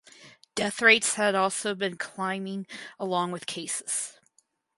Death rates had also been climbing along with cases.